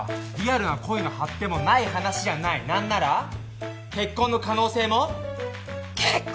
リアルな恋の発展もない話じゃない何なら結婚の可能性も結婚！？